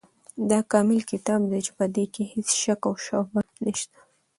دا کامل کتاب دی، په دي کي هيڅ شک او شبهه نشته